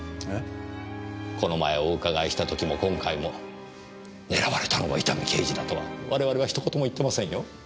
この前お伺いした時も今回も狙われたのは伊丹刑事だとは我々は一言も言ってませんよ。